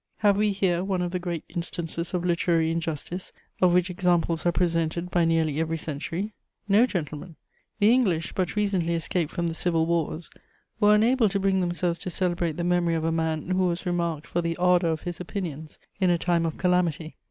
Have we here one of the great instances of literary injustice of which examples are presented by nearly every century? No, gentlemen; the English, but recently escaped from the Civil Wars, were unable to bring themselves to celebrate the memory of a man who was remarked for the ardour of his opinions in a time of calamity.